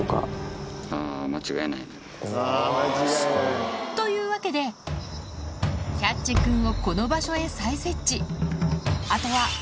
うわすごいわ。というわけでキャッチくんをこの場所へ再設置